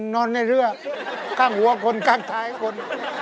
นอนในเรือข้างหัวคนข้างท้ายคน